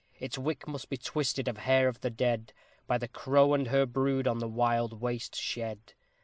Its wick must be twisted of hair of the dead, By the crow and her brood on the wild waste shed.